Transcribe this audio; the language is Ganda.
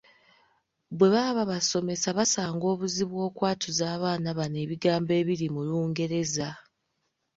Bwe baba babasomesa basanga obuzibu okwatuza abaana bano ebigambo ebiri mu Lungereza.